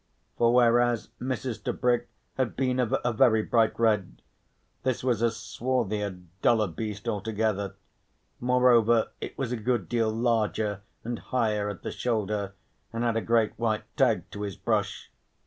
For whereas Mrs. Tebrick had been of a very bright red, this was a swarthier duller beast altogether, moreover it was a good deal larger and higher at the shoulder and had a great white tag to his brush.